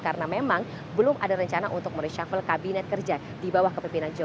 karena memang belum ada rencana untuk mereshuffle kabinet kerja di bawah kepemimpinan jokowi